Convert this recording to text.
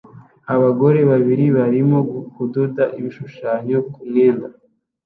Abagore babiri barimo kudoda ibishushanyo ku mwenda